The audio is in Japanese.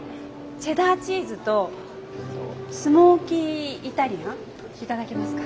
チェダーチーズとスモーキーイタリアンいただけますか？